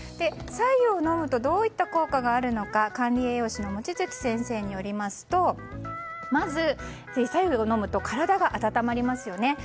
白湯を飲むとどういった効果があるのか管理栄養士の望月先生によりますとまず、白湯を飲むと体が温まりますよね。